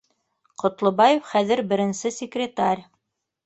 Ҡотлобаев хәҙер беренсе секретарь